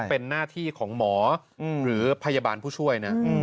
เป็นหน้าที่ของหมอหรือพยาบาลผู้ช่วยนะ